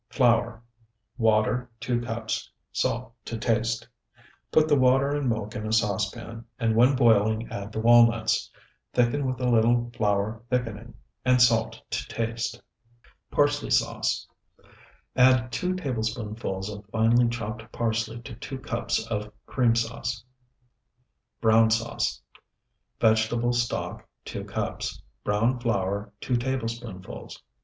Flour. Water, 2 cups. Salt to taste. Put the water and milk in a saucepan, and when boiling add the walnuts. Thicken with a little flour thickening, and salt to taste. PARSLEY SAUCE Add two tablespoonfuls of finely chopped parsley to two cups of cream sauce. BROWN SAUCE Vegetable stock, 2 cups. Browned flour, 2 tablespoonfuls.